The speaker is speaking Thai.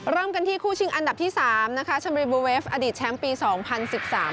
เริ่มกันที่คู่ชิงอันดับที่สามนะคะชมรีบูเวฟอดีตแชมป์ปีสองพันสิบสาม